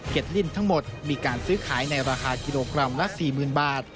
ลิ่นทั้งหมดมีการซื้อขายในราคากิโลกรัมละ๔๐๐๐บาท